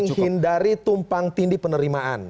menghindari tumpang tindih penerimaan